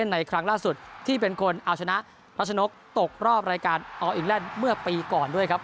ในครั้งล่าสุดที่เป็นคนเอาชนะรัชนกตกรอบรายการอออิงแลนด์เมื่อปีก่อนด้วยครับ